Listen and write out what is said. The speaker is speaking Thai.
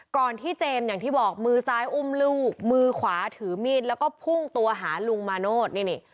ก่อนที่เจมส์อย่างที่บอกมือซ้ายอุ้มลูกมือขวาถือมีดแล้วก็พุ่งตัวหาลุงมาโนธนี่นี่